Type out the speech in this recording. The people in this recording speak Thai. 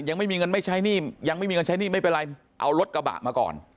ยังไม่มีเงินใช้หนี้ไม่เป็นไรเอารถกระบะมาก่อน